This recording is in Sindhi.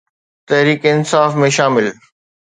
تحريڪ انصاف ۾ شامل